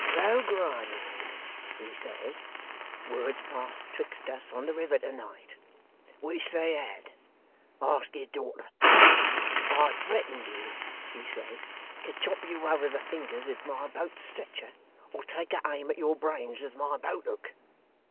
"Rogue Riderhood," he says, "words passed betwixt us on the river tonight." Which they had; ask his daughter! "I threatened you," he says, "to chop you over the fingers with my boat's stretcher, or take a aim at your brains with my boathook.